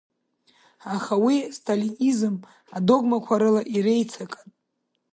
Аха уи сталинизм адогмақәа рыла иреицакын.